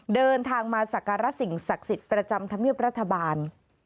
เดินทางมาสักการะสิ่งศักดิ์สิทธิ์ประจำธรรมเนียบรัฐบาล